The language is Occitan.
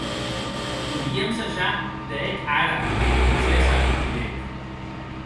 Poiríem sajar de hè'c ara, Princesa, didec.